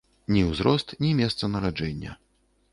Ні ўзрост, ні месца нараджэння.